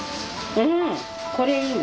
うんこれいいの？